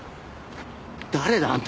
誰だ？あんた。